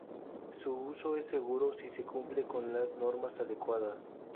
Su uso es seguro si se cumple con las normas adecuadas.